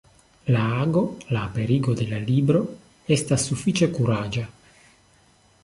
La ago, la aperigo de la libro, estas sufiĉe kuraĝa.